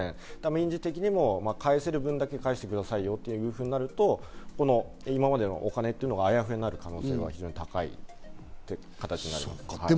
民事的にも返せる分だけ返してくださいよということになると、今までのお金というのがあやふやになる可能性が非常に高い形になります。